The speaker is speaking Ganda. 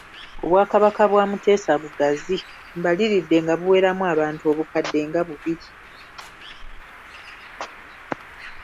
Obwakabaka bwa Mutesa bugazi, mbaliridde nga buweramu abantu obukadde nga bubiri.